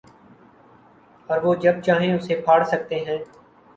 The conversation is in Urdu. اوروہ جب چاہیں اسے پھاڑ سکتے ہیں۔